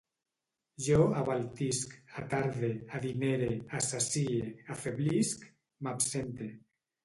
Jo abaltisc, atarde, adinere, assacie, afeblisc, m'absente